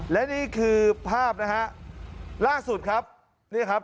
และนี่คือภาพล่างสุดครับ